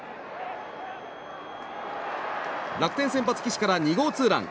楽天先発、岸から２号ツーラン。